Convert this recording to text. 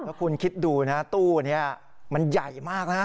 แล้วคุณคิดดูนะตู้นี้มันใหญ่มากนะ